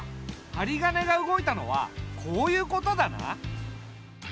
はりがねが動いたのはこういうことだな。